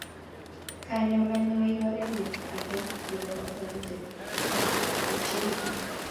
Konyoor kanyoiik oret age nebo kotoret tupcheng'ung'.